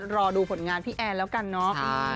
รอดูผลงานพี่แอนแล้วกันเนาะ